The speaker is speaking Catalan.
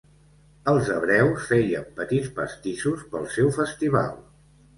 Els hebreus feien petits pastissos pel seu festival.